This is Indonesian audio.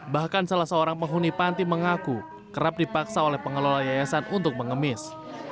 bahkan salah seorang penghuni panti mengaku kerap dipaksa oleh pengelola yayasan untuk mengemis